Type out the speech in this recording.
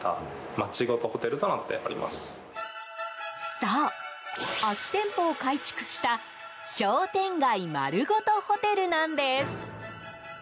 そう、空き店舗を改築した商店街まるごとホテルなんです。